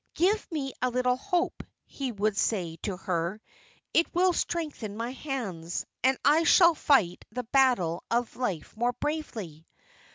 "Give me a little hope," he would say to her; "it will strengthen my hands, and I shall fight the battle of life more bravely.